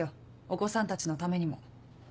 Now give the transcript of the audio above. お子さんたちのためにも。